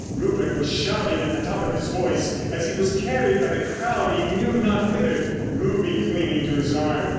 Rupert was shouting at the top of his voice as he was carried by the crowd he knew not whither, Ruby clinging to his arm.